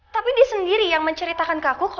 tapi dia sendiri yang menceritakan ke aku